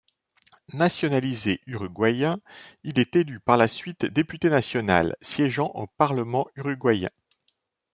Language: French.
Nationalisé uruguayen, il est élu par la suite député national, siégeant au parlement uruguayen.